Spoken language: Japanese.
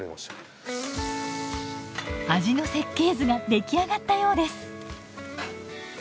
味の設計図が出来上がったようです。